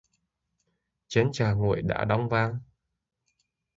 Chén trà nguội đã đóng váng